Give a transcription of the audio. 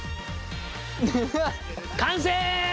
完成！